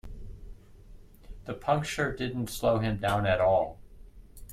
The puncture didn't slow him down at all.